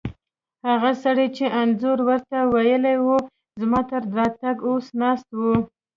هغه سړی چې انځور ور ته ویلي وو، زما تر راتګه اوسه ناست و.